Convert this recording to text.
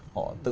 họ tự chủ